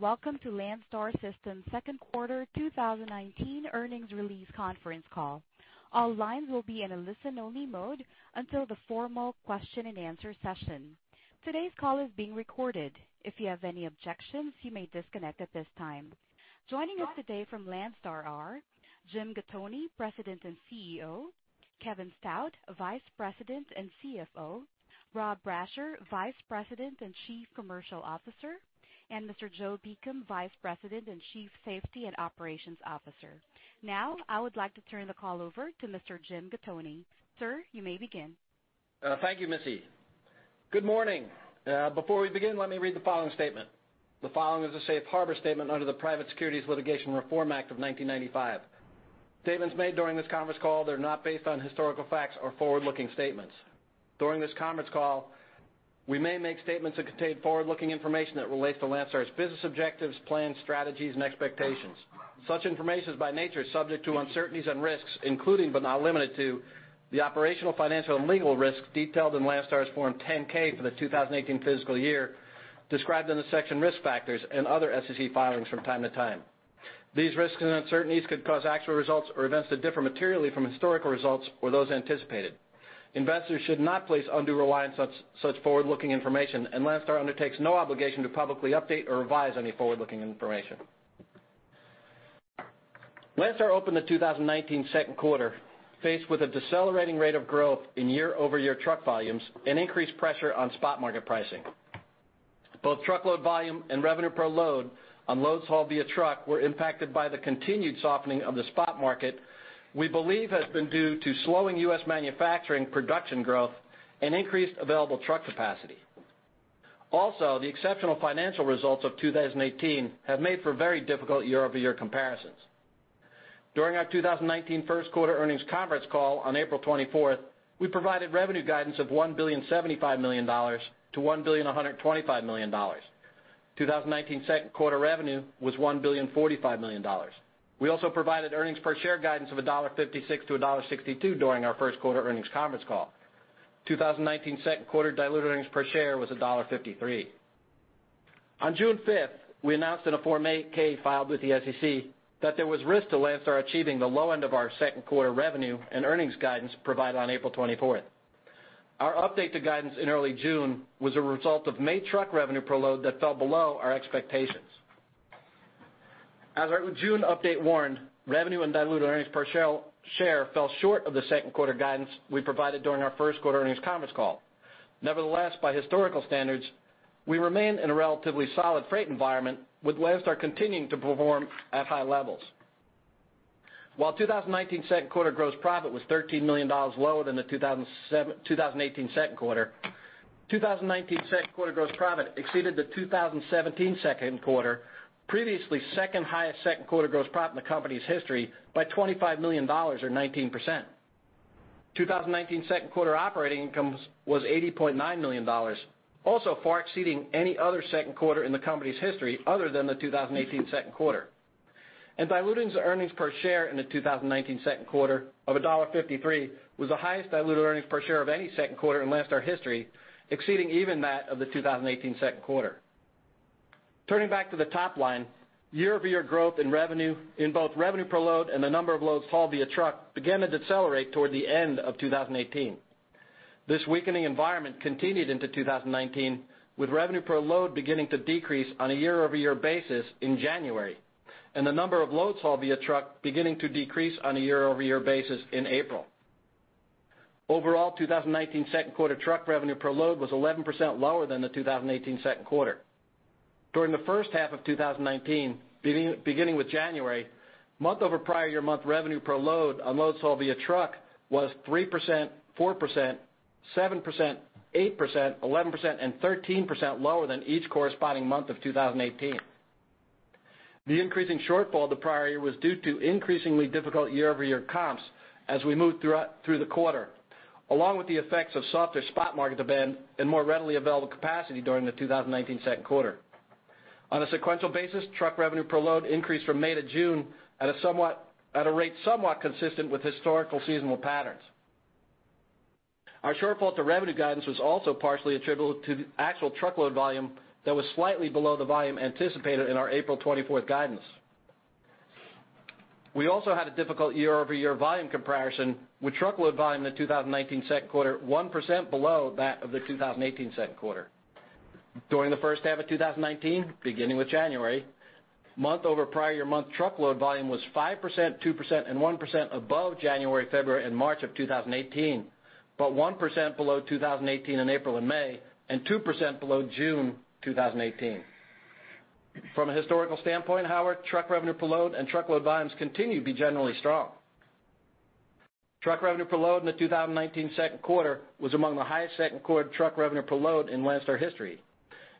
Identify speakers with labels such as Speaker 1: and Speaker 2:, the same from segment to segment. Speaker 1: Welcome to Landstar System's second quarter 2019 earnings release conference call. All lines will be in a listen-only mode until the formal question-and-answer session. Today's call is being recorded. If you have any objections, you may disconnect at this time. Joining us today from Landstar are Jim Gattoni, President and CEO; Kevin Stout, Vice President and CFO; Rob Brasher, Vice President and Chief Commercial Officer; and Mr. Joe Beacom, Vice President and Chief Safety and Operations Officer. Now, I would like to turn the call over to Mr. Jim Gattoni. Sir, you may begin.
Speaker 2: Thank you, Missy. Good morning. Before we begin, let me read the following statement. The following is a safe harbor statement under the Private Securities Litigation Reform Act of 1995. Statements made during this conference call that are not based on historical facts are forward-looking statements. During this conference call, we may make statements that contain forward-looking information that relates to Landstar's business objectives, plans, strategies, and expectations. Such information is, by nature, subject to uncertainties and risks, including, but not limited to, the operational, financial, and legal risks detailed in Landstar's Form 10-K for the 2018 fiscal year, described in the section Risk Factors and other SEC filings from time to time. These risks and uncertainties could cause actual results or events to differ materially from historical results or those anticipated. Investors should not place undue reliance on such forward-looking information, and Landstar undertakes no obligation to publicly update or revise any forward-looking information. Landstar opened the 2019 second quarter faced with a decelerating rate of growth in year-over-year truck volumes and increased pressure on spot market pricing. Both truckload volume and revenue per load on loads hauled via truck were impacted by the continued softening of the spot market, we believe has been due to slowing U.S. manufacturing production growth and increased available truck capacity. Also, the exceptional financial results of 2018 have made for very difficult year-over-year comparisons. During our 2019 first quarter earnings conference call on April 24th, we provided revenue guidance of $1.075 billion-$1.125 billion. 2019 second quarter revenue was $1.045 billion. We also provided earnings per share guidance of $1.56-$1.62 during our first quarter earnings conference call. 2019 second quarter diluted earnings per share was $1.53. On June 5, we announced in a Form 8-K filed with the SEC that there was risk to Landstar achieving the low end of our second quarter revenue and earnings guidance provided on April 24. Our update to guidance in early June was a result of May truck revenue per load that fell below our expectations. As our June update warned, revenue and diluted earnings per share, share fell short of the second quarter guidance we provided during our first quarter earnings conference call. Nevertheless, by historical standards, we remain in a relatively solid freight environment, with Landstar continuing to perform at high levels. While 2019 second quarter gross profit was $13 million lower than the 2018 second quarter, 2019 second quarter gross profit exceeded the 2017 second quarter, previously second highest second quarter gross profit in the company's history, by $25 million or 19%. 2019 second quarter operating income was $80.9 million, also far exceeding any other second quarter in the company's history, other than the 2018 second quarter. Diluted earnings per share in the 2019 second quarter of $1.53 was the highest diluted earnings per share of any second quarter in Landstar history, exceeding even that of the 2018 second quarter. Turning back to the top line, year-over-year growth in revenue, in both revenue per load and the number of loads hauled via truck, began to decelerate toward the end of 2018. This weakening environment continued into 2019, with revenue per load beginning to decrease on a year-over-year basis in January, and the number of loads hauled via truck beginning to decrease on a year-over-year basis in April. Overall, 2019 second quarter truck revenue per load was 11% lower than the 2018 second quarter. During the first half of 2019, beginning with January, month-over-prior-year-month revenue per load on loads hauled via truck was 3%, 4%, 7%, 8%, 11%, and 13% lower than each corresponding month of 2018. The increase in shortfall the prior year was due to increasingly difficult year-over-year comps as we moved throughout the quarter, along with the effects of softer spot market demand and more readily available capacity during the 2019 second quarter. On a sequential basis, truck revenue per load increased from May to June at a rate somewhat consistent with historical seasonal patterns. Our shortfall to revenue guidance was also partially attributable to the actual truckload volume that was slightly below the volume anticipated in our April 24 guidance. We also had a difficult year-over-year volume comparison, with truckload volume in the 2019 second quarter 1% below that of the 2018 second quarter. During the first half of 2019, beginning with January, month-over-prior year month truckload volume was 5%, 2%, and 1% above January, February, and March of 2018, but 1% below 2018 in April and May, and 2% below June 2018. From a historical standpoint, however, truck revenue per load and truckload volumes continue to be generally strong. Truck revenue per load in the 2019 second quarter was among the highest second quarter truck revenue per load in Landstar history.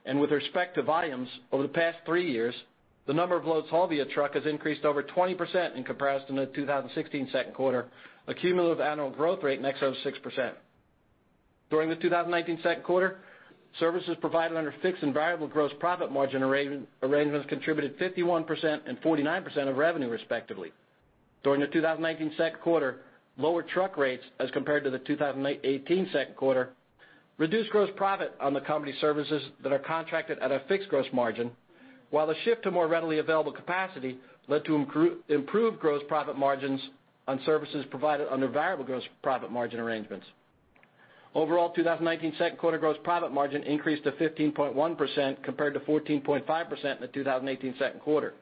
Speaker 2: With respect to volumes, over the past three years, the number of loads hauled via truck has increased over 20% when compared to the 2016 second quarter, a cumulative annual growth rate of next to 6%. During the 2019 second quarter, services provided under fixed and variable gross profit margin arrangements contributed 51% and 49% of revenue, respectively. During the 2019 second quarter, lower truck rates as compared to the 2018 second quarter reduced gross profit on the company services that are contracted at a fixed gross margin, while the shift to more readily available capacity led to improved gross profit margins on services provided under variable gross profit margin arrangements. Overall, 2019 second quarter gross profit margin increased to 15.1%, compared to 14.5% in the 2018 second quarter.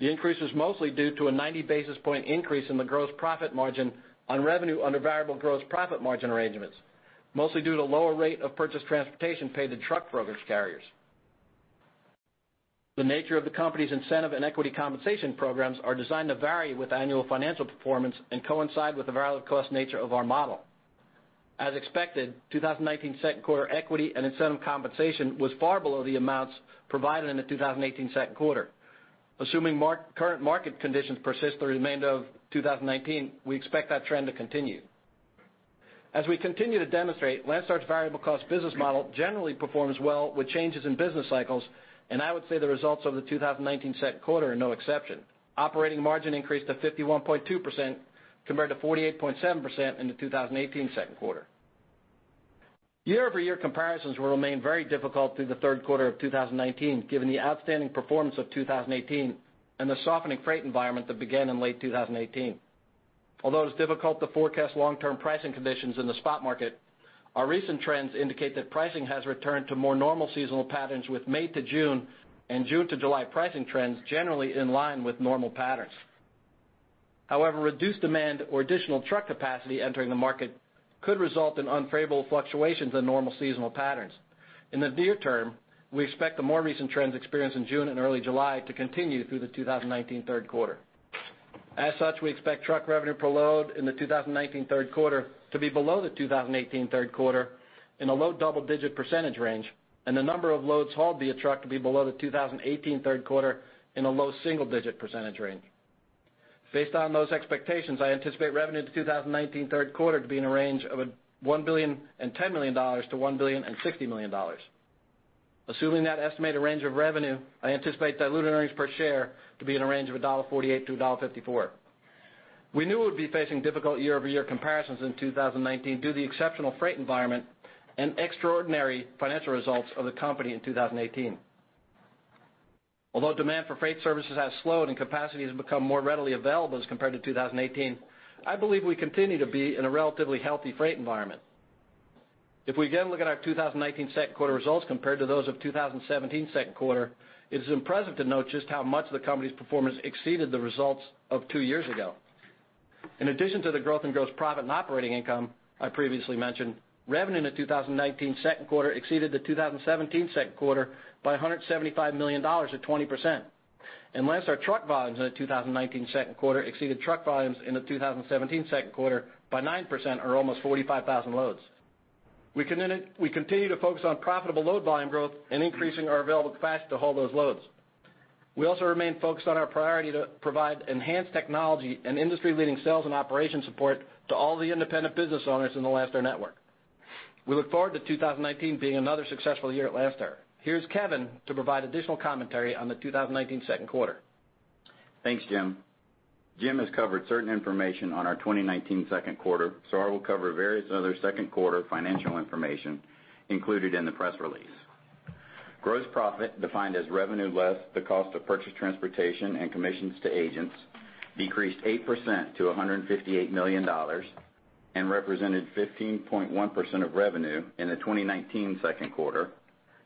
Speaker 2: The increase was mostly due to a 90 basis point increase in the gross profit margin on revenue under variable gross profit margin arrangements, mostly due to lower rate of purchased transportation paid to truck brokerage carriers. The nature of the company's incentive and equity compensation programs are designed to vary with annual financial performance and coincide with the variable cost nature of our model. As expected, 2019 second quarter equity and incentive compensation was far below the amounts provided in the 2018 second quarter. Assuming current market conditions persist the remainder of 2019, we expect that trend to continue. As we continue to demonstrate, Landstar's variable cost business model generally performs well with changes in business cycles, and I would say the results of the 2019 second quarter are no exception. Operating margin increased to 51.2%, compared to 48.7% in the 2018 second quarter. Year-over-year comparisons will remain very difficult through the third quarter of 2019, given the outstanding performance of 2018 and the softening freight environment that began in late 2018. Although it's difficult to forecast long-term pricing conditions in the spot market, our recent trends indicate that pricing has returned to more normal seasonal patterns with May to June and June to July pricing trends generally in line with normal patterns. However, reduced demand or additional truck capacity entering the market could result in unfavorable fluctuations in normal seasonal patterns. In the near term, we expect the more recent trends experienced in June and early July to continue through the 2019 third quarter. As such, we expect truck revenue per load in the 2019 third quarter to be below the 2018 third quarter in a low double-digit percentage range, and the number of loads hauled via truck to be below the 2018 third quarter in a low single-digit percentage range. Based on those expectations, I anticipate revenue to 2019 third quarter to be in a range of $1.01 billion-$1.06 billion. Assuming that estimated range of revenue, I anticipate diluted earnings per share to be in a range of $1.48-$1.54. We knew we'd be facing difficult year-over-year comparisons in 2019 due to the exceptional freight environment and extraordinary financial results of the company in 2018. Although demand for freight services has slowed and capacity has become more readily available as compared to 2018, I believe we continue to be in a relatively healthy freight environment. If we again look at our 2019 second quarter results compared to those of 2017 second quarter, it is impressive to note just how much the company's performance exceeded the results of two years ago. In addition to the growth in gross profit and operating income I previously mentioned, revenue in the 2019 second quarter exceeded the 2017 second quarter by $175 million, or 20%. Landstar truck volumes in the 2019 second quarter exceeded truck volumes in the 2017 second quarter by 9%, or almost 45,000 loads. We continue to focus on profitable load volume growth and increasing our available capacity to haul those loads. We also remain focused on our priority to provide enhanced technology and industry-leading sales and operation support to all the independent business owners in the Landstar network. We look forward to 2019 being another successful year at Landstar. Here's Kevin to provide additional commentary on the 2019 second quarter.
Speaker 3: Thanks, Jim. Jim has covered certain information on our 2019 second quarter, so I will cover various other second quarter financial information included in the press release. Gross profit, defined as revenue less the cost of purchased transportation and commissions to agents, decreased 8% to $158 million, and represented 15.1% of revenue in the 2019 second quarter,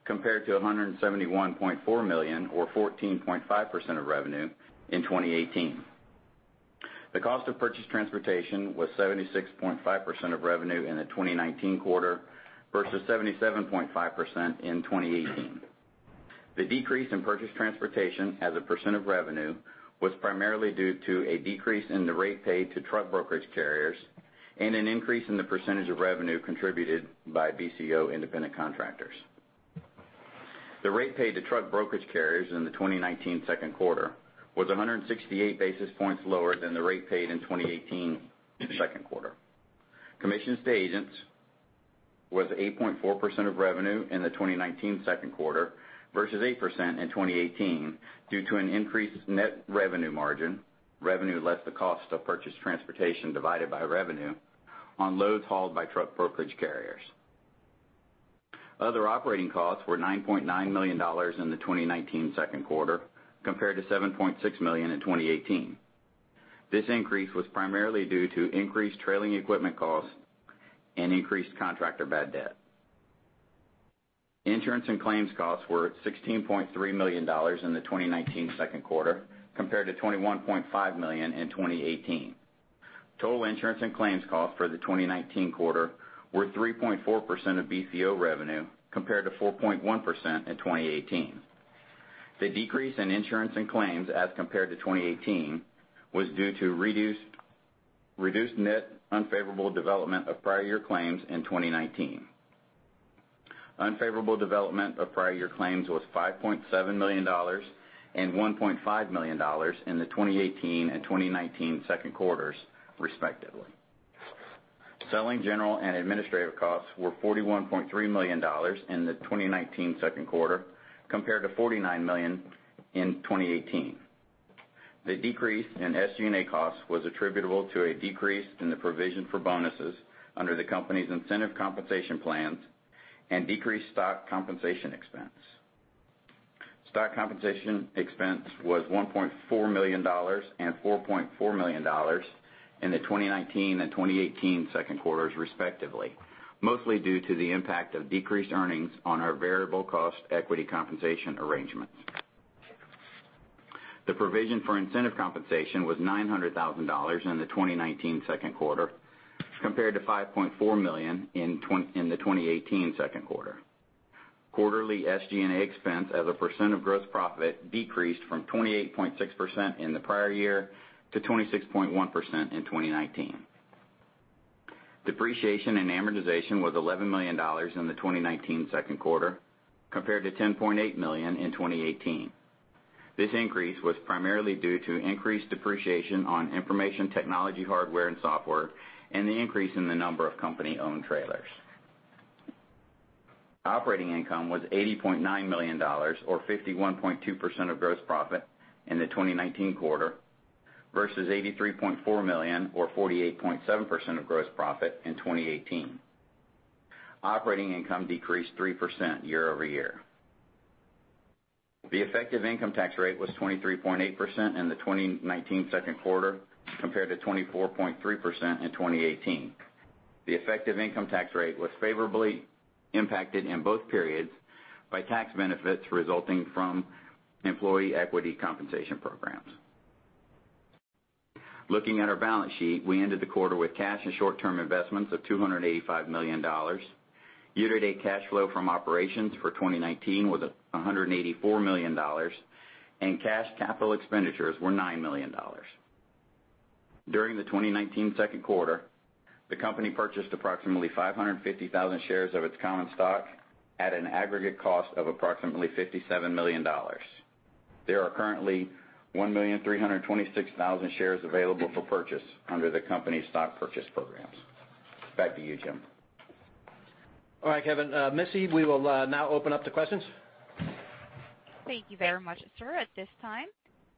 Speaker 3: compared to $171.4 million, or 14.5% of revenue, in 2018. The cost of purchased transportation was 76.5% of revenue in the 2019 quarter versus 77.5% in 2018. The decrease in purchased transportation as a percent of revenue was primarily due to a decrease in the rate paid to truck brokerage carriers and an increase in the percentage of revenue contributed by BCO independent contractors. The rate paid to truck brokerage carriers in the 2019 second quarter was 168 basis points lower than the rate paid in the 2018 second quarter. Commissions to agents was 8.4% of revenue in the 2019 second quarter versus 8% in 2018 due to an increased net revenue margin, revenue less the cost of purchased transportation divided by revenue on loads hauled by truck brokerage carriers. Other operating costs were $9.9 million in the 2019 second quarter, compared to $7.6 million in 2018. This increase was primarily due to increased trailing equipment costs and increased contractor bad debt. Insurance and claims costs were $16.3 million in the 2019 second quarter, compared to $21.5 million in 2018. Total insurance and claims costs for the 2019 quarter were 3.4% of BCO revenue, compared to 4.1% in 2018. The decrease in insurance and claims as compared to 2018 was due to reduced net unfavorable development of prior year claims in 2019. Unfavorable development of prior year claims was $5.7 million and $1.5 million in the 2018 and 2019 second quarters, respectively. Selling general and administrative costs were $41.3 million in the 2019 second quarter, compared to $49 million in 2018. The decrease in SG&A costs was attributable to a decrease in the provision for bonuses under the company's incentive compensation plans and decreased stock compensation expense. Stock compensation expense was $1.4 million and $4.4 million in the 2019 and 2018 second quarters, respectively, mostly due to the impact of decreased earnings on our variable cost equity compensation arrangements. The provision for incentive compensation was $900,000 in the 2019 second quarter, compared to $5.4 million in the 2018 second quarter. Quarterly SG&A expense as a percent of gross profit decreased from 28.6% in the prior year to 26.1% in 2019. Depreciation and amortization was $11 million in the 2019 second quarter, compared to $10.8 million in 2018. This increase was primarily due to increased depreciation on information technology, hardware and software, and the increase in the number of company-owned trailers. Operating income was $80.9 million, or 51.2% of gross profit in the 2019 quarter, versus $83.4 million, or 48.7% of gross profit in 2018. Operating income decreased 3% year-over-year. The effective income tax rate was 23.8% in the 2019 second quarter, compared to 24.3% in 2018. The effective income tax rate was favorably impacted in both periods by tax benefits resulting from employee equity compensation programs. Looking at our balance sheet, we ended the quarter with cash and short-term investments of $285 million. Year-to-date cash flow from operations for 2019 was $184 million, and cash capital expenditures were $9 million. During the 2019 second quarter, the company purchased approximately 550,000 shares of its common stock at an aggregate cost of approximately $57 million. There are currently 1,326,000 shares available for purchase under the company's stock purchase programs. Back to you, Jim.
Speaker 2: All right, Kevin. Missy, we will now open up to questions.
Speaker 1: Thank you very much, sir. At this time,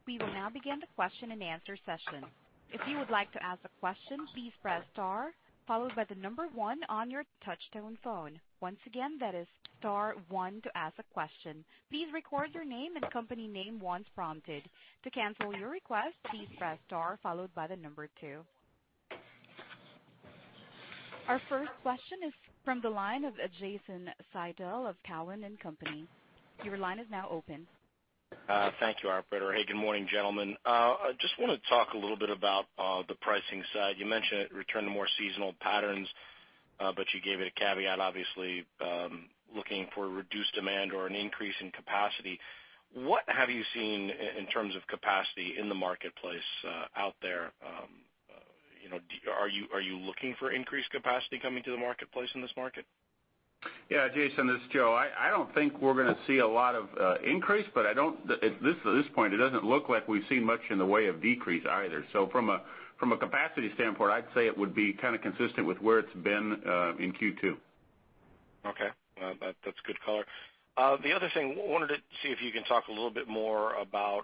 Speaker 1: we will now begin the question-and-answer session. If you would like to ask a question, please press star, followed by the number one on your touchtone phone. Once again, that is star one to ask a question. Please record your name and company name once prompted. To cancel your request, please press star followed by the number two. Our first question is from the line of Jason Seidl of Cowen & Co. Your line is now open.
Speaker 4: Thank you, operator. Hey, good morning, gentlemen. I just want to talk a little bit about the pricing side. You mentioned it returned to more seasonal patterns, but you gave it a caveat, obviously, looking for reduced demand or an increase in capacity. What have you seen in terms of capacity in the marketplace, out there? You know, are you, are you looking for increased capacity coming to the marketplace in this market?
Speaker 5: Yeah, Jason, this is Joe. I don't think we're going to see a lot of increase, but I don't... At this point, it doesn't look like we've seen much in the way of decrease either. So from a capacity standpoint, I'd say it would be kind of consistent with where it's been in Q2.
Speaker 4: Okay. Well, that, that's good color. The other thing, wanted to see if you can talk a little bit more about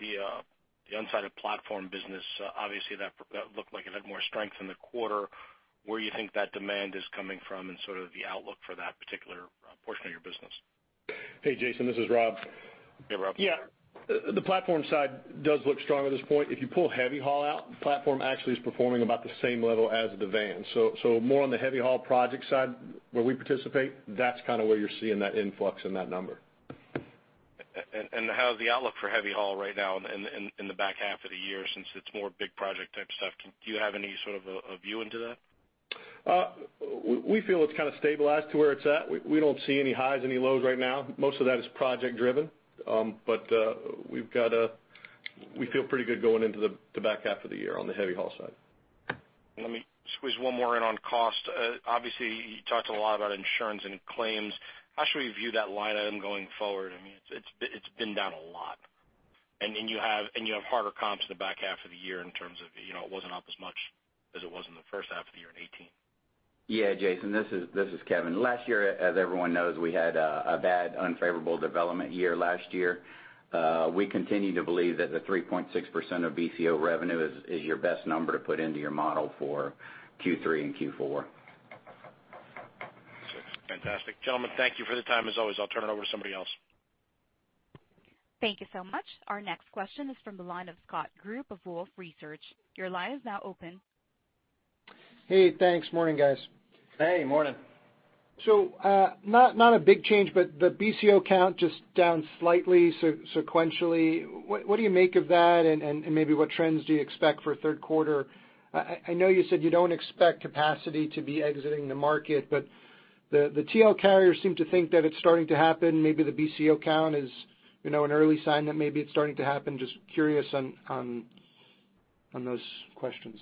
Speaker 4: the unsided platform business. Obviously, that looked like it had more strength in the quarter. Where you think that demand is coming from and sort of the outlook for that particular portion of your business?
Speaker 6: Hey, Jason, this is Rob.
Speaker 4: Hey, Rob.
Speaker 6: Yeah, the platform side does look strong at this point. If you pull heavy haul out, the platform actually is performing about the same level as the van. So, so more on the heavy haul project side, where we participate, that's kind of where you're seeing that influx in that number.
Speaker 4: And how is the outlook for heavy haul right now in the back half of the year, since it's more big project type stuff? Do you have any sort of a view into that?
Speaker 6: We feel it's kind of stabilized to where it's at. We don't see any highs, any lows right now. Most of that is project driven. But we've got a... We feel pretty good going into the back half of the year on the heavy haul side.
Speaker 4: Let me squeeze one more in on cost. Obviously, you talked a lot about insurance and claims. How should we view that line item going forward? I mean, it's been down a lot. And you have harder comps in the back half of the year in terms of, you know, it wasn't up as much as it was in the first half of the year in 2018.
Speaker 3: Yeah, Jason, this is, this is Kevin. Last year, as everyone knows, we had a bad unfavorable development year last year. We continue to believe that the 3.6% of BCO revenue is your best number to put into your model for Q3 and Q4.
Speaker 4: Fantastic. Gentlemen, thank you for the time, as always. I'll turn it over to somebody else.
Speaker 1: Thank you so much. Our next question is from the line of Scott Group of Wolfe Research. Your line is now open.
Speaker 7: Hey, thanks. Morning, guys.
Speaker 3: Hey, morning.
Speaker 7: So, not a big change, but the BCO count just down slightly sequentially. What do you make of that? And maybe what trends do you expect for third quarter? I know you said you don't expect capacity to be exiting the market, but the TL carriers seem to think that it's starting to happen. Maybe the BCO count is, you know, an early sign that maybe it's starting to happen. Just curious on those questions.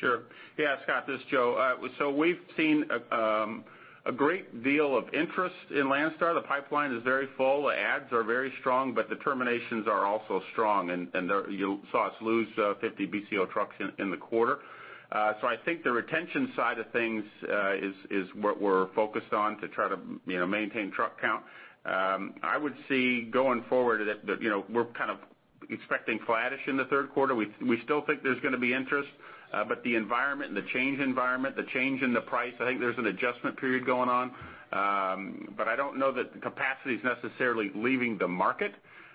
Speaker 6: Sure. Yeah, Scott, this is Joe. So we've seen a great deal of interest in Landstar. The pipeline is very full, the ads are very strong, but the terminations are also strong, and there, you saw us lose 50 BCO trucks in the quarter. So I think the retention side of things is what we're focused on to try to, you know, maintain truck count. I would see, going forward, that we're kind of expecting flattish in the third quarter. We still think there's gonna be interest, but the environment, and the change in environment, the change in the price, I think there's an adjustment period going on. But I don't know that the capacity is necessarily leaving the market.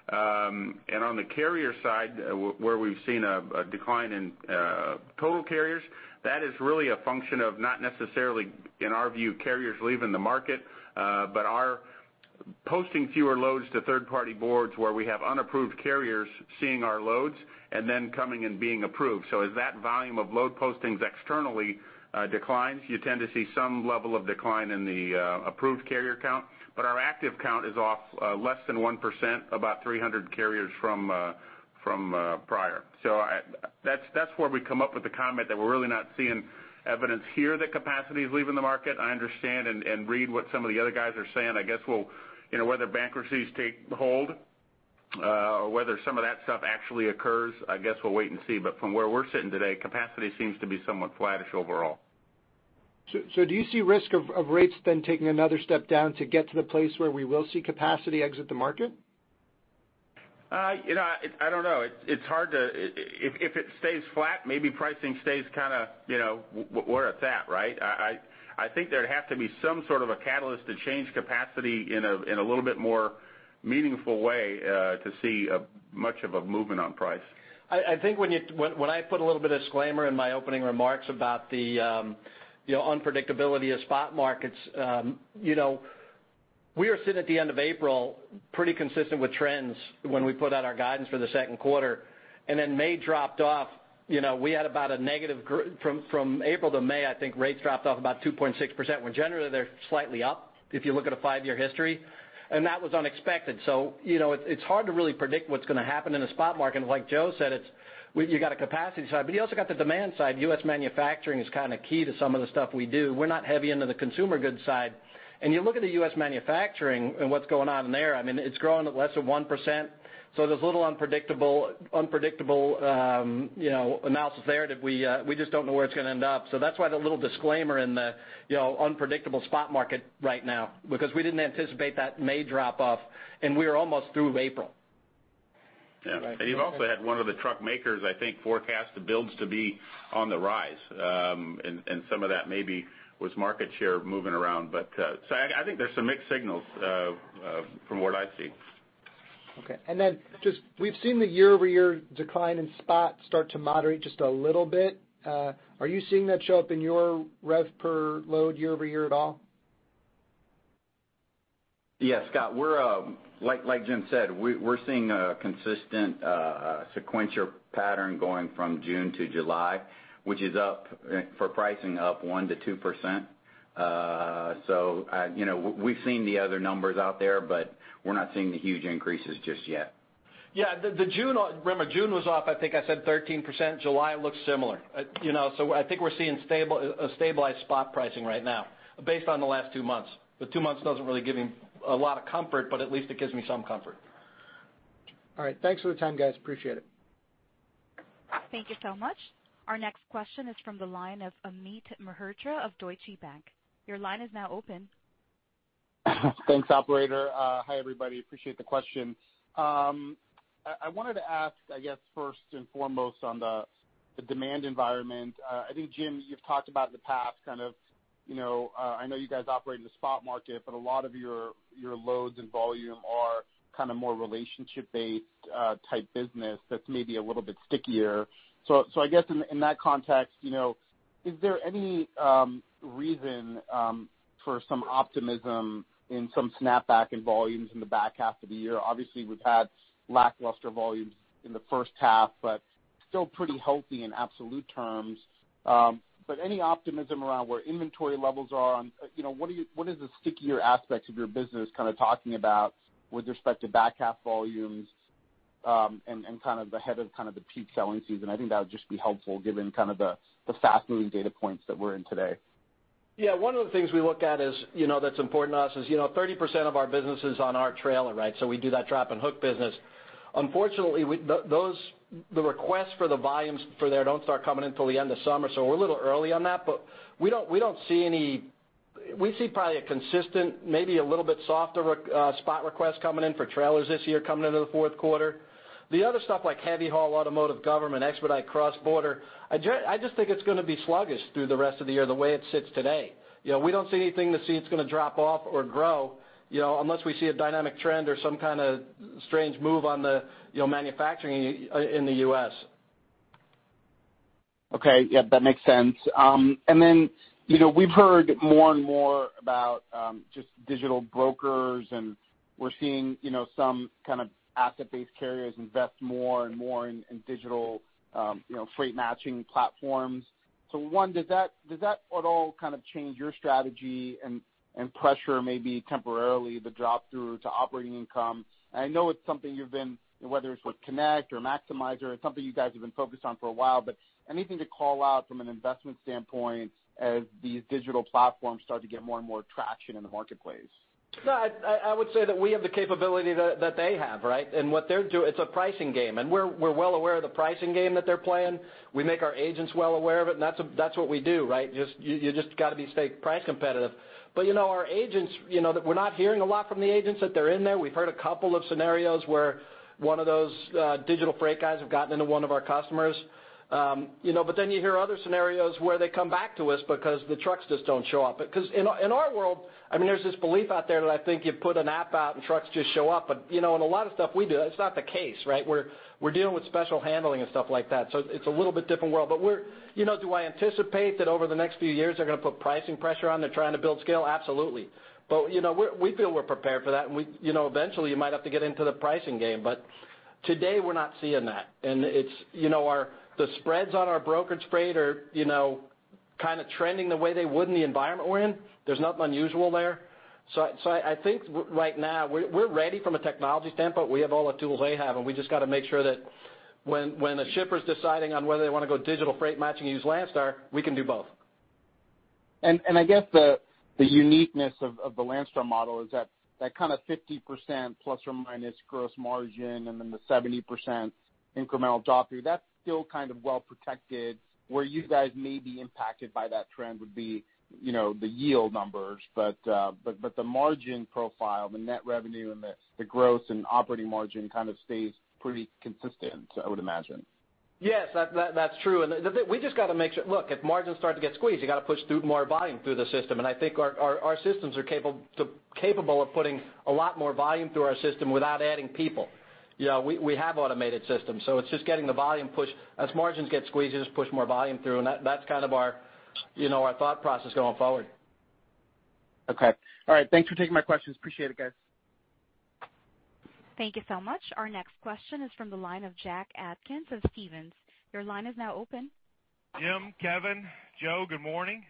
Speaker 6: And on the carrier side, where we've seen a decline in total carriers, that is really a function of not necessarily, in our view, carriers leaving the market, but are posting fewer loads to third-party boards where we have unapproved carriers seeing our loads and then coming and being approved. So as that volume of load postings externally declines, you tend to see some level of decline in the approved carrier count. But our active count is off less than 1%, about 300 carriers from prior. That's where we come up with the comment that we're really not seeing evidence here that capacity is leaving the market. I understand and read what some of the other guys are saying. I guess we'll, you know, whether bankruptcies take hold, or whether some of that stuff actually occurs, I guess we'll wait and see. But from where we're sitting today, capacity seems to be somewhat flattish overall.
Speaker 7: So, do you see risk of rates then taking another step down to get to the place where we will see capacity exit the market?
Speaker 5: You know, I don't know. It's hard to... If it stays flat, maybe pricing stays kind of, you know, where it's at, right? I think there'd have to be some sort of a catalyst to change capacity in a little bit more meaningful way, to see much of a movement on price.
Speaker 2: I think when I put a little bit of disclaimer in my opening remarks about the, you know, unpredictability of spot markets, you know, we are sitting at the end of April, pretty consistent with trends when we put out our guidance for the second quarter, and then May dropped off. You know, we had about a negative from April to May, I think rates dropped off about 2.6%, when generally they're slightly up, if you look at a five-year history. And that was unexpected. So, you know, it's hard to really predict what's gonna happen in a spot market. And like Joe said, it's you got a capacity side, but you also got the demand side. U.S. manufacturing is kind of key to some of the stuff we do. We're not heavy into the consumer goods side. And you look at the U.S. manufacturing and what's going on there, I mean, it's growing at less than 1%, so there's a little unpredictable, you know, analysis there that we just don't know where it's gonna end up. So that's why the little disclaimer in the, you know, unpredictable spot market right now, because we didn't anticipate that May drop off, and we were almost through April.
Speaker 5: Yeah. And you've also had one of the truck makers, I think, forecast the builds to be on the rise. And some of that maybe was market share moving around. But, so I think there's some mixed signals from what I see.
Speaker 7: Okay. Then just, we've seen the year-over-year decline in spot start to moderate just a little bit. Are you seeing that show up in your rev per load year-over-year at all?
Speaker 3: Yes, Scott, we're, like Jim said, we're seeing a consistent sequential pattern going from June to July, which is up for pricing, up 1%-2%. So, you know, we've seen the other numbers out there, but we're not seeing the huge increases just yet.
Speaker 2: Yeah, the June... Remember, June was off, I think I said 13%. July looks similar. You know, so I think we're seeing a stabilized spot pricing right now, based on the last two months. But two months doesn't really give me a lot of comfort, but at least it gives me some comfort.
Speaker 7: All right. Thanks for the time, guys. Appreciate it.
Speaker 1: Thank you so much. Our next question is from the line of Amit Mehrotra of Deutsche Bank. Your line is now open.
Speaker 8: Thanks, operator. Hi, everybody, appreciate the question. I wanted to ask, I guess, first and foremost on the demand environment. I think, Jim, you've talked about in the past, kind of, you know, I know you guys operate in the spot market, but a lot of your loads and volume are kind of more relationship-based type business that's maybe a little bit stickier. So I guess in that context, you know, is there any reason for some optimism in some snapback in volumes in the back half of the year? Obviously, we've had lackluster volumes in the first half, but still pretty healthy in absolute terms. But any optimism around where inventory levels are on... You know, what is the stickier aspects of your business kind of talking about with respect to back half volumes, and kind of the ahead of kind of the peak selling season? I think that would just be helpful given kind of the fast-moving data points that we're in today.
Speaker 2: Yeah, one of the things we look at is, you know, that's important to us is, you know, 30% of our business is on our trailer, right? So we do that drop and hook business. Unfortunately, we- those, the requests for the volumes for there don't start coming in until the end of summer, so we're a little early on that. But we don't, we don't see any... We see probably a consistent, maybe a little bit softer request coming in for trailers this year, coming into the fourth quarter. The other stuff like heavy haul, automotive, government, expedite, cross-border, I just think it's gonna be sluggish through the rest of the year, the way it sits today. You know, we don't see anything it's gonna drop off or grow, you know, unless we see a dynamic trend or some kind of strange move on the, you know, manufacturing in the U.S.
Speaker 8: Okay. Yeah, that makes sense. And then, you know, we've heard more and more about just digital brokers, and we're seeing, you know, some kind of asset-based carriers invest more and more in digital, you know, freight matching platforms. So one, does that at all kind of change your strategy and pressure maybe temporarily the drop-through to operating income? I know it's something you've been, whether it's with Connect or Maximizer, it's something you guys have been focused on for a while, but anything to call out from an investment standpoint as these digital platforms start to get more and more traction in the marketplace?
Speaker 2: No, I would say that we have the capability that they have, right? And what they're doing, it's a pricing game, and we're well aware of the pricing game that they're playing. We make our agents well aware of it, and that's what we do, right? Just, you just got to stay price competitive. But, you know, our agents, you know, we're not hearing a lot from the agents that they're in there. We've heard a couple of scenarios where one of those digital freight guys have gotten into one of our customers. You know, but then you hear other scenarios where they come back to us because the trucks just don't show up. Because in our world, I mean, there's this belief out there that I think you put an app out and trucks just show up. But, you know, in a lot of stuff we do, it's not the case, right? We're dealing with special handling and stuff like that, so it's a little bit different world. But we're... You know, do I anticipate that over the next few years, they're going to put pricing pressure on, they're trying to build scale? Absolutely. But, you know, we feel we're prepared for that, and we, you know, eventually, you might have to get into the pricing game. But today, we're not seeing that, and it's, you know, our the spreads on our brokerage freight are, you know, kind of trending the way they would in the environment we're in. There's nothing unusual there. So I think right now, we're ready from a technology standpoint. We have all the tools they have, and we just got to make sure that when a shipper is deciding on whether they want to go digital freight matching and use Landstar, we can do both.
Speaker 8: I guess the uniqueness of the Landstar model is that kind of 50%± gross margin, and then the 70% incremental drop-through, that's still kind of well protected. Where you guys may be impacted by that trend would be, you know, the yield numbers, but the margin profile, the net revenue and the gross and operating margin kind of stays pretty consistent, I would imagine.
Speaker 2: Yes, that's true. We just got to make sure. Look, if margins start to get squeezed, you got to push through more volume through the system, and I think our systems are capable of putting a lot more volume through our system without adding people. You know, we have automated systems, so it's just getting the volume pushed. As margins get squeezed, you just push more volume through, and that's kind of our you know our thought process going forward.
Speaker 8: Okay. All right. Thanks for taking my questions. Appreciate it, guys.
Speaker 1: Thank you so much. Our next question is from the line of Jack Atkins of Stephens. Your line is now open.
Speaker 9: Jim, Kevin, Joe, good morning.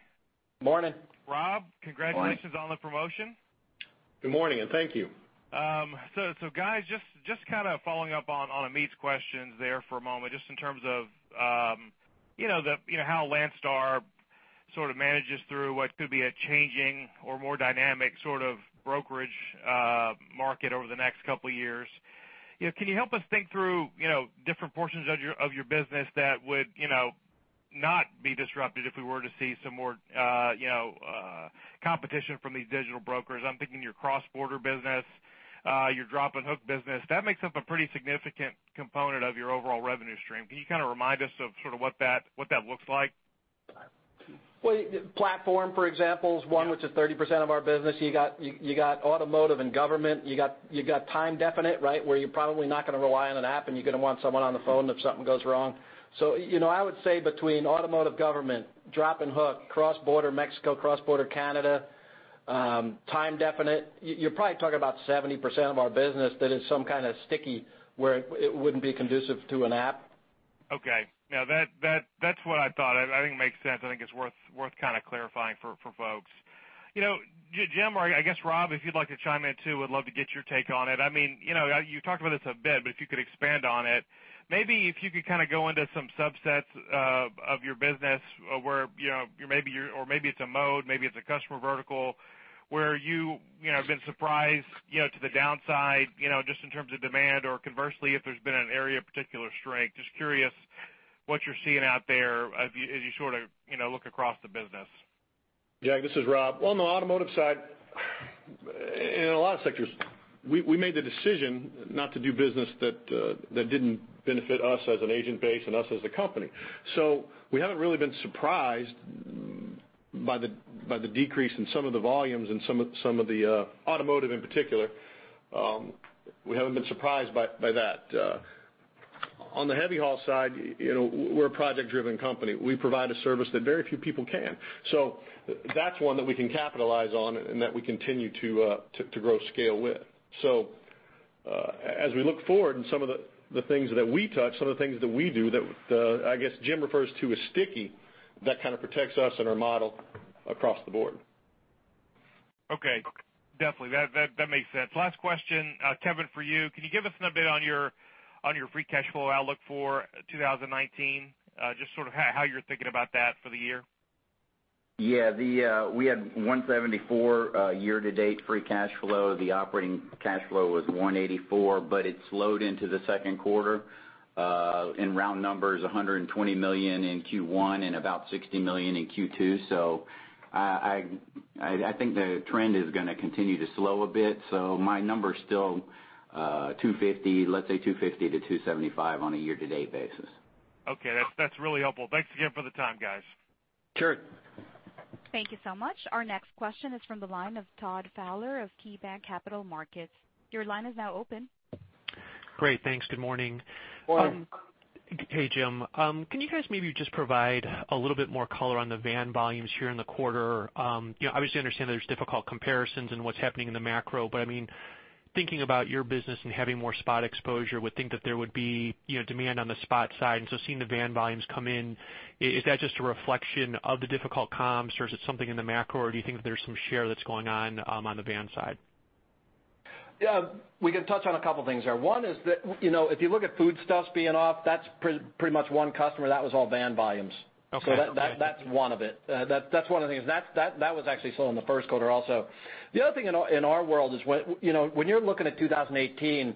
Speaker 2: Morning.
Speaker 9: Rob, congratulations on the promotion.
Speaker 6: Good morning, and thank you.
Speaker 9: So guys, just kind of following up on Amit's questions there for a moment, just in terms of, you know, how Landstar sort of manages through what could be a changing or more dynamic sort of brokerage market over the next couple of years. You know, can you help us think through, you know, different portions of your, of your business that would, you know, not be disrupted if we were to see some more, you know, competition from these digital brokers? I'm thinking your cross-border business, your drop and hook business. That makes up a pretty significant component of your overall revenue stream. Can you kind of remind us of sort of what that, what that looks like?
Speaker 2: Well, platform, for example, is one which is 30% of our business. You got Automotive and government, you got time definite, right? Where you're probably not going to rely on an app, and you're going to want someone on the phone if something goes wrong. So you know, I would say between Automotive, government, drop and hook, cross-border Mexico, cross-border Canada, time definite, you're probably talking about 70% of our business that is some kind of sticky, where it wouldn't be conducive to an app.
Speaker 9: Okay. Now, that's what I thought. I think it makes sense. I think it's worth kind of clarifying for folks. You know, Jim, or I guess, Rob, if you'd like to chime in, too, would love to get your take on it. I mean, you know, you talked about this a bit, but if you could expand on it, maybe if you could kind of go into some subsets of your business where, you know, maybe you're or maybe it's a mode, maybe it's a customer vertical, where you know have been surprised, you know, to the downside, you know, just in terms of demand, or conversely, if there's been an area of particular strength. Just curious what you're seeing out there as you sort of, you know, look across the business.
Speaker 6: Jack, this is Rob. On the Automotive side, in a lot of sectors, we made the decision not to do business that didn't benefit us as an agent base and us as a company. So we haven't really been surprised by the decrease in some of the volumes and some of the automotive in particular. We haven't been surprised by that. On the heavy haul side, you know, we're a project-driven company. We provide a service that very few people can. So that's one that we can capitalize on and that we continue to grow scale with. So, as we look forward and some of the things that we touch, some of the things that we do, that I guess Jim refers to as sticky, that kind of protects us and our model across the board.
Speaker 9: Okay, definitely. That makes sense. Last question, Kevin, for you. Can you give us an update on your free cash flow outlook for 2019? Just sort of how you're thinking about that for the year.
Speaker 3: Yeah, we had $174 year-to-date free cash flow. The operating cash flow was $184, but it slowed into the second quarter. In round numbers, $120 million in Q1 and about $60 million in Q2. So I think the trend is going to continue to slow a bit. So my number is still $250, let's say $250-$275 on a year-to-date basis.
Speaker 9: Okay, that's, that's really helpful. Thanks again for the time, guys.
Speaker 3: Sure.
Speaker 1: Thank you so much. Our next question is from the line of Todd Fowler of KeyBanc Capital Markets. Your line is now open.
Speaker 10: Great, thanks. Good morning.
Speaker 2: Morning.
Speaker 10: Hey, Jim. Can you guys maybe just provide a little bit more color on the van volumes here in the quarter? You know, obviously, I understand there's difficult comparisons in what's happening in the macro, but I mean thinking about your business and having more spot exposure, would think that there would be, you know, demand on the spot side, and so seeing the van volumes come in, is that just a reflection of the difficult comps, or is it something in the macro, or do you think there's some share that's going on on the van side?
Speaker 2: Yeah, we can touch on a couple things there. One is that, you know, if you look at foodstuffs being off, that's pretty much one customer. That was all van volumes.
Speaker 10: Okay.
Speaker 2: So that's one of it. That's one of the things. That was actually slow in the first quarter also. The other thing in our world is when, you know, when you're looking at 2018,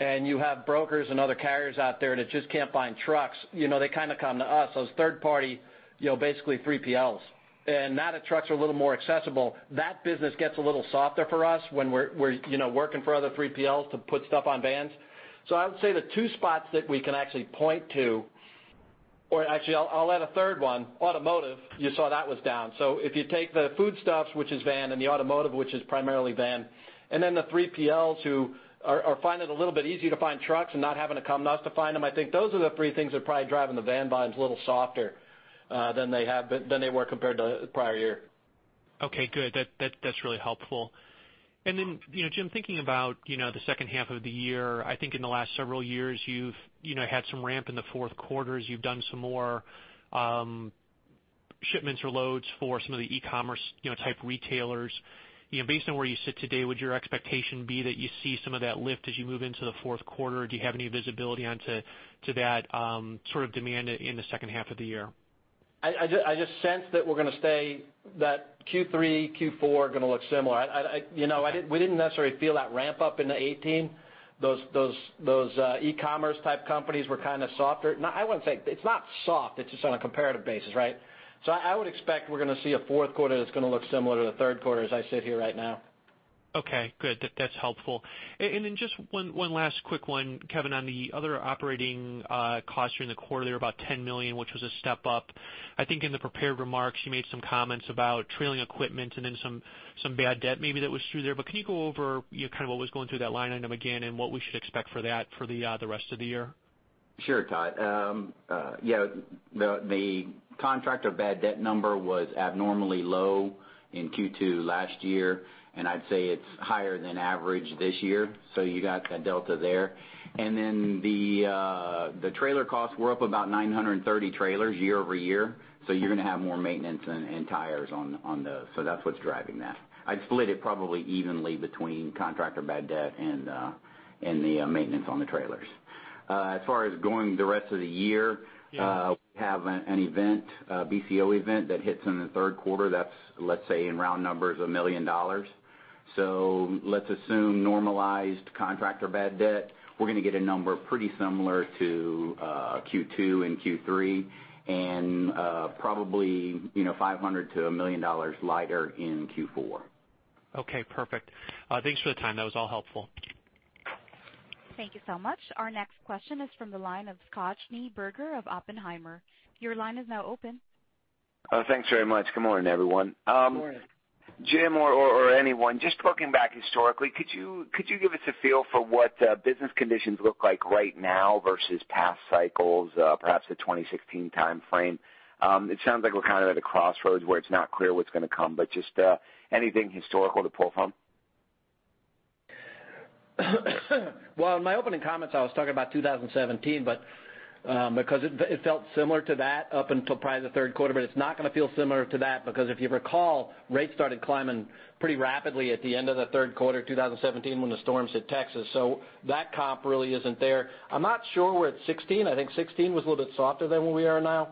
Speaker 2: and you have brokers and other carriers out there that just can't find trucks, you know, they kind of come to us, those third-party, you know, basically 3PLs. And now that trucks are a little more accessible, that business gets a little softer for us when we're, you know, working for other 3PLs to put stuff on vans. So I would say the two spots that we can actually point to, or actually, I'll add a third one, automotive, you saw that was down. So if you take the foodstuffs, which is van, and the automotive, which is primarily van, and then the 3PLs who are finding it a little bit easier to find trucks and not having to come to us to find them, I think those are the three things that are probably driving the van volumes a little softer than they were compared to the prior year.
Speaker 10: Okay, good. That, that's really helpful. And then, you know, Jim, thinking about, you know, the second half of the year, I think in the last several years, you've, you know, had some ramp in the fourth quarters. You've done some more shipments or loads for some of the e-commerce, you know, type retailers. You know, based on where you sit today, would your expectation be that you see some of that lift as you move into the fourth quarter? Do you have any visibility onto that sort of demand in the second half of the year?
Speaker 2: I just sense that we're going to stay... That Q3, Q4 are going to look similar. You know, we didn't necessarily feel that ramp up into 2018. Those e-commerce type companies were kind of softer. Now, I wouldn't say it's not soft, it's just on a comparative basis, right? So I would expect we're going to see a fourth quarter that's going to look similar to the third quarter as I sit here right now.
Speaker 10: Okay, good. That, that's helpful. And then just one last quick one, Kevin, on the other operating costs during the quarter, they were about $10 million, which was a step up. I think in the prepared remarks, you made some comments about trailing equipment and then some bad debt maybe that was through there. But can you go over, you know, kind of what was going through that line item again and what we should expect for that for the rest of the year?
Speaker 3: Sure, Todd. Yeah, the contractor bad debt number was abnormally low in Q2 last year, and I'd say it's higher than average this year, so you got a delta there. And then the trailer costs were up about 930 trailers year-over-year, so you're going to have more maintenance and tires on those. So that's what's driving that. I'd split it probably evenly between contractor bad debt and maintenance on the trailers. As far as going the rest of the year we have an event, a BCO event, that hits in the third quarter. That's, let's say, in round numbers, $1 million. So let's assume normalized contractor bad debt. We're going to get a number pretty similar to Q2 and Q3, and probably, you know, $500,000-$1 million lighter in Q4.
Speaker 10: Okay, perfect. Thanks for the time. That was all helpful.
Speaker 1: Thank you so much. Our next question is from the line of Scott Schneeberger of Oppenheimer. Your line is now open.
Speaker 11: Thanks very much. Good morning, everyone.
Speaker 2: Good morning.
Speaker 11: Jim, or anyone, just looking back historically, could you give us a feel for what business conditions look like right now versus past cycles, perhaps the 2016 timeframe? It sounds like we're kind of at a crossroads where it's not clear what's going to come, but just anything historical to pull from?
Speaker 2: Well, in my opening comments, I was talking about 2017, but because it, it felt similar to that up until probably the third quarter, but it's not going to feel similar to that, because if you recall, rates started climbing pretty rapidly at the end of the third quarter, 2017, when the storms hit Texas. So that comp really isn't there. I'm not sure we're at 2016. I think 2016 was a little bit softer than where we are now.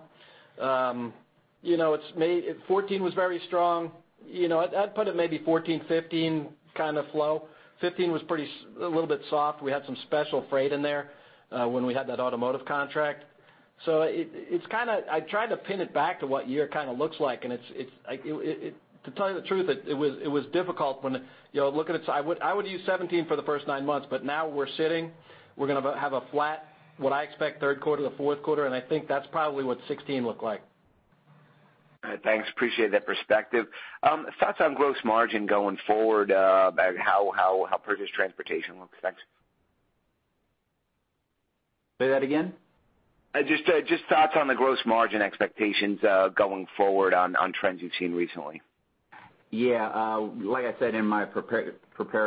Speaker 2: You know, it's maybe 2014 was very strong. You know, I'd, I'd put it maybe 2014, 2015 kind of flow. 2015 was pretty soft, a little bit soft. We had some special freight in there, when we had that automotive contract. So it, it's kind of... I tried to pin it back to what year it kind of looks like, and it's like, to tell you the truth, it was difficult, you know, so I would use 2017 for the first nine months, but now we're sitting; we're going to have a flat, what I expect, third quarter to fourth quarter, and I think that's probably what 2016 looked like.
Speaker 11: All right. Thanks, appreciate that perspective. Thoughts on gross margin going forward, about how purchase transportation looks like?
Speaker 2: Say that again?
Speaker 11: Just thoughts on the gross margin expectations going forward on trends you've seen recently?
Speaker 3: Yeah, like I said in my prepared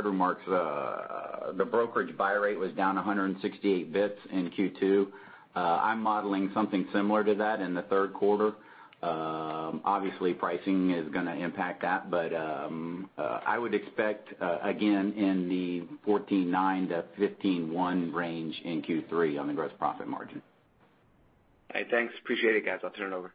Speaker 3: remarks, the brokerage buy rate was down 168 bps in Q2. I'm modeling something similar to that in the third quarter. Obviously, pricing is going to impact that, but, I would expect, again, in the 14.9%-15.1% range in Q3 on the gross profit margin.
Speaker 11: All right, thanks. Appreciate it, guys. I'll turn it over.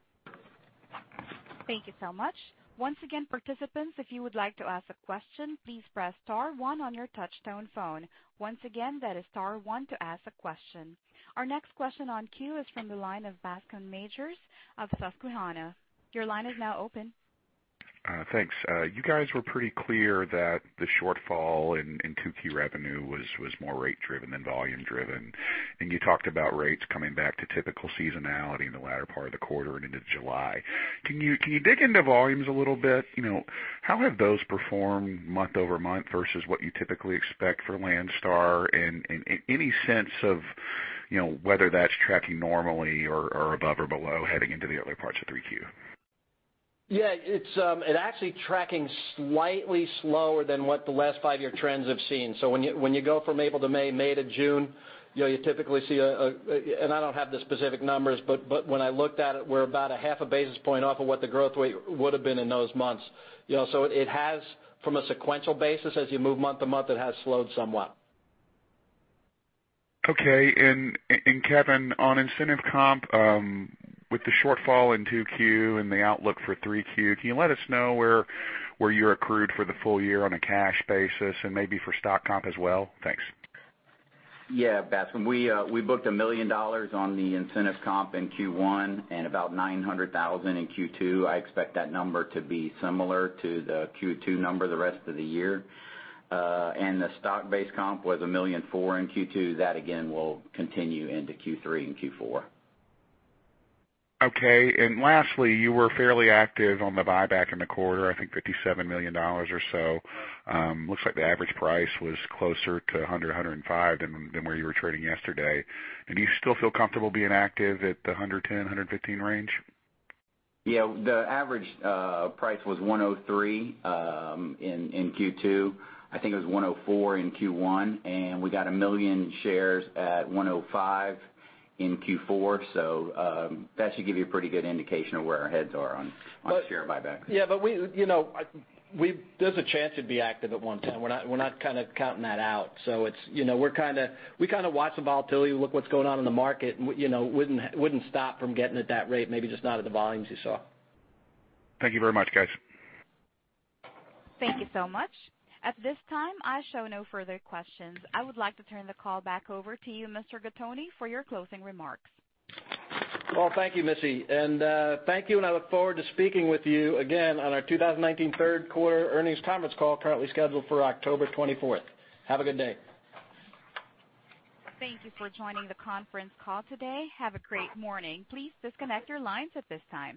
Speaker 1: Thank you so much. Once again, participants, if you would like to ask a question, please press star one on your touchtone phone. Once again, that is star one to ask a question. Our next question in queue is from the line of Bascome Majors Your line is now open.
Speaker 12: Thanks. You guys were pretty clear that the shortfall in Q2 revenue was more rate-driven than volume-driven. And you talked about rates coming back to typical seasonality in the latter part of the quarter and into July. Can you dig into volumes a little bit? You know, how have those performed month-over-month versus what you typically expect for Landstar? And any sense of, you know, whether that's tracking normally or above or below, heading into the early parts of 3Q?
Speaker 2: Yeah, it's actually tracking slightly slower than what the last five-year trends have seen. So when you go from April to May, May to June, you know, you typically see a and I don't have the specific numbers, but when I looked at it, we're about a half a basis point off of what the growth rate would have been in those months. You know, so it has, from a sequential basis, as you move month-to-month, it has slowed somewhat.
Speaker 12: Okay. And Kevin, on incentive comp, with the shortfall in 2Q and the outlook for 3Q, can you let us know where you're accrued for the full year on a cash basis and maybe for stock comp as well? Thanks.
Speaker 3: Yeah, Bascome, we booked $1 million on the incentive comp in Q1 and about $900,000 in Q2. I expect that number to be similar to the Q2 number the rest of the year. And the stock-based comp was $1.4 million in Q2. That, again, will continue into Q3 and Q4.
Speaker 12: Okay. And lastly, you were fairly active on the buyback in the quarter, I think $57 million or so. Looks like the average price was closer to $100 million, $105 million than, than where you were trading yesterday. And do you still feel comfortable being active at the $110 million-$115 million range?
Speaker 3: Yeah, the average price was $103 in Q2. I think it was $104 million in Q1, and we got 1 million shares at $105 in Q4. So, that should give you a pretty good indication of where our heads are on share buyback.
Speaker 2: Yeah, but we, you know, there's a chance it'd be active at one time. We're not kind of counting that out. So it's, you know, we're kinda watch the volatility, look what's going on in the market, and, you know, wouldn't stop from getting at that rate, maybe just not at the volumes you saw.
Speaker 12: Thank you very much, guys.
Speaker 1: Thank you so much. At this time, I show no further questions. I would like to turn the call back over to you, Mr. Gattoni, for your closing remarks.
Speaker 2: Well, thank you, Missy. And thank you, and I look forward to speaking with you again on our 2019 third quarter earnings conference call, currently scheduled for October 24th. Have a good day.
Speaker 1: Thank you for joining the conference call today. Have a great morning. Please disconnect your lines at this time.